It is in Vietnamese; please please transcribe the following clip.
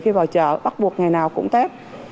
khi vào chợ bắt buộc ngày nào cũng test